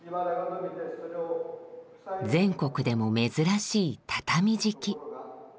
全国でも珍しい畳敷き。